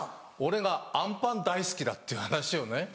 俺があんパン大好きだっていう話をね。